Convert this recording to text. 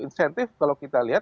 insentif kalau kita lihat